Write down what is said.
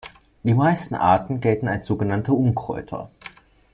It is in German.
Die meisten Arten gelten als sogenannte Unkräuter.